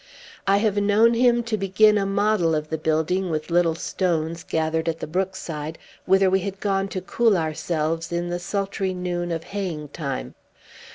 I have known him to begin a model of the building with little stones, gathered at the brookside, whither we had gone to cool ourselves in the sultry noon of haying time.